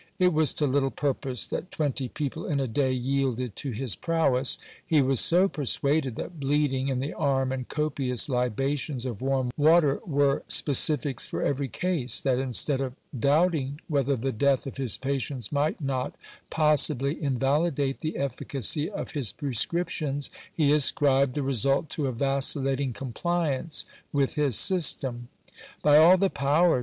It was to little purpose that twenty people in a day yielded to his prowess ; he was so persuaded that bleeding in the arm and copious libations of warm water were specifics for every case, that instead of doubting whether the death of his patients might not possibly invalidate the efficacy of his prescriptions, he ascribed the result to a vacillating compliance with his system. By all the powers